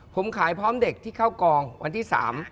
ผมขายพร้อมเด็กที่เข้ากองวันที่๓